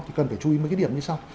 thì cần phải chú ý mấy cái điểm như sau